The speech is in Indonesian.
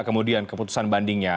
kemudian keputusan bandingnya